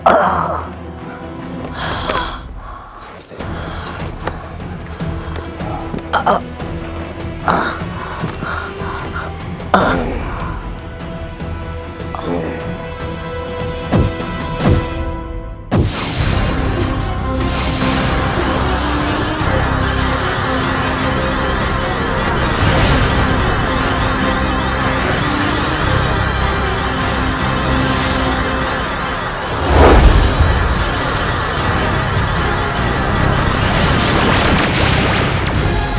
aku akan menangkapmu